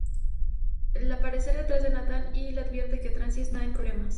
El aparece detrás de Nathan y le advierte que Tracy está en problemas.